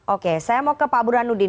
oke saya mau ke pak burhanuddin